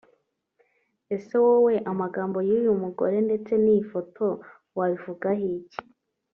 Ese wowe amagambo y'uyu mugore ndetse n'iyi foto wabivugaho iki